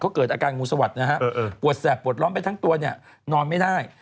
เขาเกิดอาการงูสวัสดิ์นะฮะปวดแสบปวดร้อนไปทั้งตัวเนี่ยนอนไม่ได้